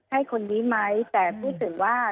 ให้คนนี้ไหมแต่พูดถึงว่า